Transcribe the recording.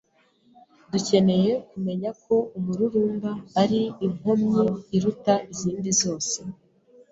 Dukeneye kumenya ko umururumba ari inkomyi iruta izindi zose